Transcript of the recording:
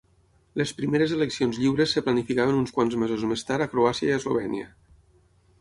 Les primeres eleccions lliures es planificaven uns quants mesos més tard a Croàcia i Eslovènia.